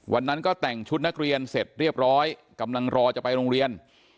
วันนั้นก็แต่งชุดนักเรียนเสร็จเรียบร้อยกำลังรอจะไปโรงเรียน